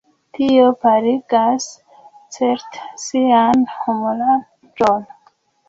Tio paligas, certe, sian humuraĵon.